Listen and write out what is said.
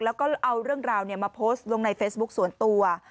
แล้วก็เอาเรื่องราวมาโพสต์ลงในเฟซบุ๊คส่วนตัว